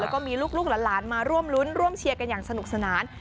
แล้วก็มีลูกหลานมาร่วมรุ้นร่วมเชียร์กันอย่างสนุกสนาน